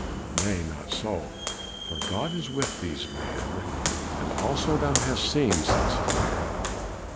"Nay, not so, for God is with these men as also thou hast seen," said Sapphira.